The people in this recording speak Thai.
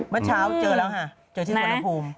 เมื่อเช้าเจอแล้วค่ะเจอที่สวรรณภูมิ